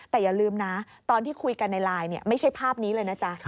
แต่อย่าลืมนะตอนที่คุยกันในไลน์ไม่ใช่ภาพนี้เลยนะจ๊ะ